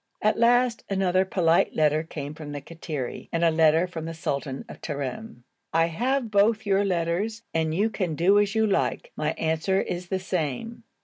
At last another polite letter came from the Kattiri, and a letter from the sultan of Terim. 'I have both your letters and you can do as you like, my answer is the same.'